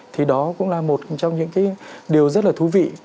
thì đó cũng là một trong những cái điều rất là thú vị